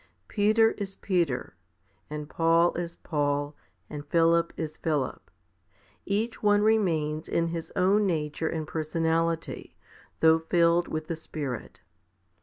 Peter is Peter, and Paul is Paul, and Philip is Philip. Each one remains in his own nature and personality, though filled with the Spirit.